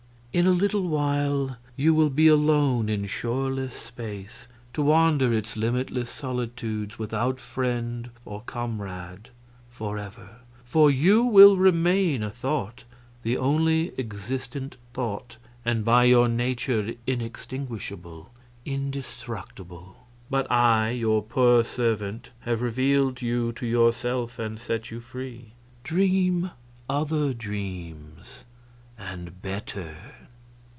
In a little while you will be alone in shoreless space, to wander its limitless solitudes without friend or comrade forever for you will remain a thought, the only existent thought, and by your nature inextinguishable, indestructible. But I, your poor servant, have revealed you to yourself and set you free. Dream other dreams, and better!